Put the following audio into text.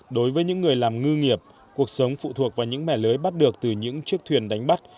đối với những người làm ngư nghiệp cuộc sống phụ thuộc vào những mẻ lưới bắt được từ những chiếc thuyền đánh bắt